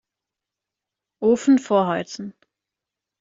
Ofen vorheizen.